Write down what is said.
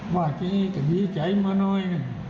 ว่าจะดีใจมาน้อย